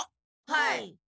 はい。